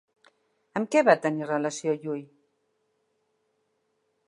Amb què va tenir relació Llull?